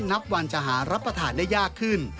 นับวันจะหารับประทานได้ยากขึ้น